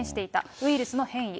ウイルスの変異。